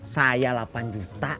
saya lapan juta